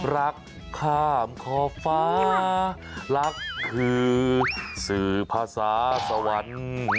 รักข้ามขอบฟ้ารักคือสื่อภาษาสวรรค์